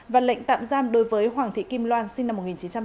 và lệnh tạm giam đối với hoàng thị kim loan sinh năm một nghìn chín trăm tám mươi